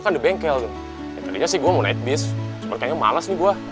tuh lihat ini remnya plung